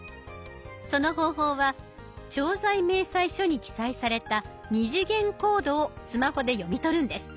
その方法は調剤明細書に記載された二次元コードをスマホで読み取るんです。